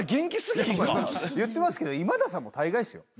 言ってますけど今田さんもたいがいっすよ。